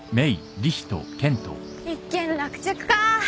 一件落着か。